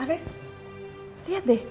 afif lihat deh